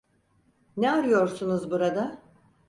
Ne arıyorsunuz burada?